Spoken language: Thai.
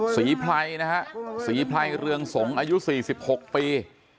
ไพรนะฮะศรีไพรเรืองสงฆ์อายุ๔๖ปี